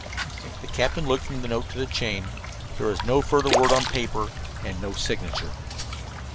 The captain looked from the note to the chain. There was no further word on the paper, and no signature.